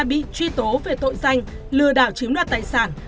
bị truy tố về tội danh lừa đảo chiếm đoạt tài sản